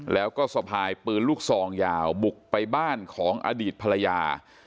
แล้วก็สะพายปืนลูกซองยาวบุกไปบ้านของอดีตภรรยา